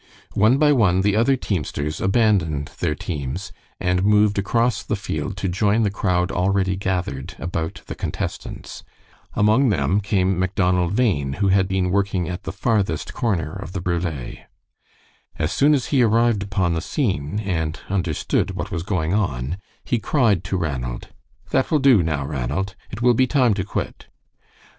One by one the other teamsters abandoned their teams and moved across the field to join the crowd already gathered about the contestants. Among them came Macdonald Bhain, who had been working at the farthest corner of the brule. As soon as he arrived upon the scene, and understood what was going on, he cried to Ranald: "That will do now, Ranald; it will be time to quit."